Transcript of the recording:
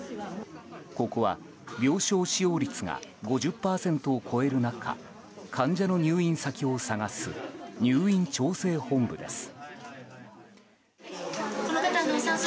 ここは病床使用率が５０％を超える中患者の入院先を探す入院調整本部です。